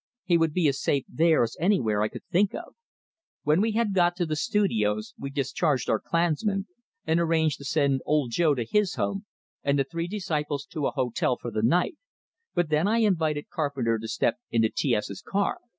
He would be as safe there as anywhere I could think of. When we had got to the studios, we discharged our Klansmen, and arranged to send Old Joe to his home, and the three disciples to a hotel for the night; then I invited Carpenter to step into T S's car.